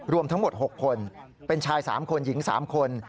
รวมทั้งหมด๖คนเป็นชาย๓คนหญิง๓คน